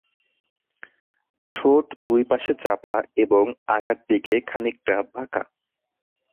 ঠোঁট দুই পাশে চাপা এবং আগার দিকে খানিকটা বাঁকা।